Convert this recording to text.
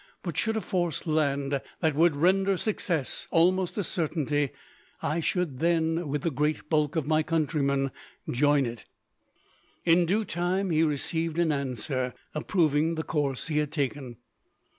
But, should a force land that would render success almost a certainty, I should then, with the great bulk of my countrymen, join it." In due time he received an answer, approving the course he had taken.